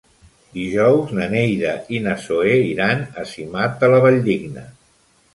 Dijous na Neida i na Zoè iran a Simat de la Valldigna.